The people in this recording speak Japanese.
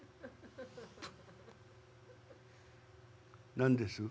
「何です？何？」。